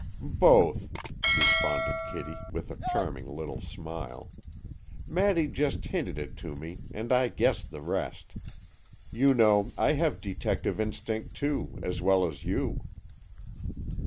"Both," responded Kitty, with a charming little smile. "Maddy just hinted it to me, and I guessed the rest. You know, I have detective instinct too, as well as you."